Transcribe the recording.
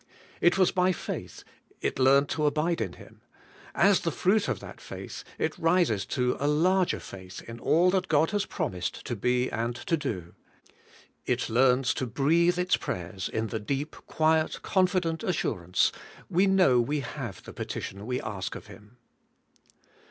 It was by faith it learnt to abide in Him; as the fruit of that faith, it rises to a larger faith in all that God has promised to be and to do. It learns to breathe its prayers in the deep, quiet, confident assurance: We know we have the petition we ask of Him.